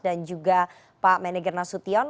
dan juga pak menegger nasution